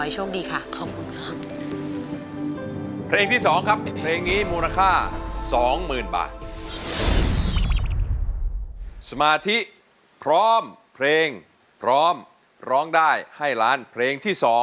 ขอให้โชคดีค่ะขอบคุณครับเข้มดวง